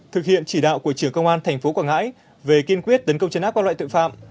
thực hiện chỉ đạo của trưởng công an tp quảng ngãi về kiên quyết tấn công chấn áp các loại tội phạm